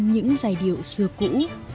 những giải điệu xưa cũ